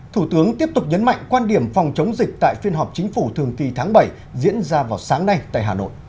thủ tướng tiếp tục nhấn mạnh quan điểm phòng chống dịch tại phiên họp chính phủ thường kỳ tháng bảy diễn ra vào sáng nay tại hà nội